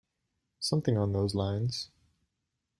Something on those lines.